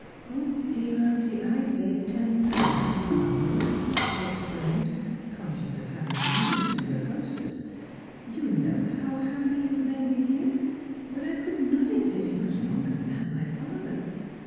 Oh, dear auntie, I beg ten thousand pardons,' she exclaimed, conscious of having been rude to her hostess, ' you know how happy you have made me here ; but I could not exist much longer without my father.